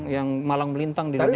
yang malang melintang di dunia usaha